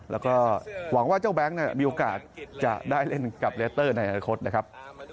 แล้วก็หวังว่าเจ้าแบงค์มีโอกาสจะได้เล่นกับเลสเตอร์ในอนาคตนะครับ